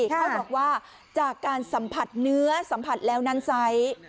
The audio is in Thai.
เขาบอกว่าจากการสัมผัสเนื้อสัมผัสแล้วนั้นไซส์